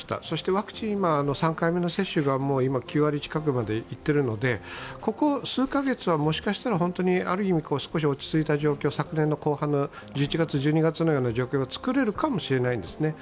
ワクチンは今、３回目の接種が９割近くまでいっているので、ここ数カ月はもしかしたら本当にある意味少し落ち着いた状況、昨年の後半の１１月、１２月のような状況が作れるかも知れないですね。